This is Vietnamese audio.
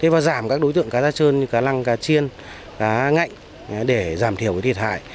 và giảm các đối tượng cá da trơn như cá lăng cá chiên cá ngạnh để giảm thiểu thiệt hại